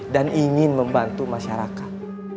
dan ingin membantu masyarakat